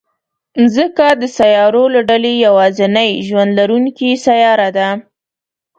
مځکه د سیارو له ډلې یوازینۍ ژوند لرونکې سیاره ده.